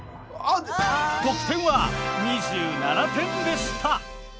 得点は２７点でした。